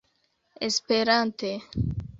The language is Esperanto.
esperante